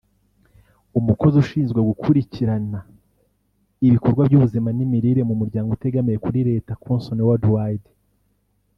umukozi ushinzwe gukurikirana ibikorwa by’ubuzima n’imirire mu muryango utegamiye kuri Leta Concern World Wide